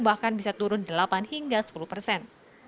bahkan bisa turun delapan hingga sepuluh persen